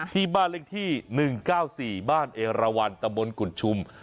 ที่บ้านเลขที่๑๙๔บ้านเอราวันตะบนกุฎชุม